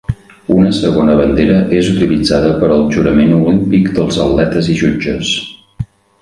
Una segona bandera és utilitzada per al jurament olímpic dels atletes i jutges.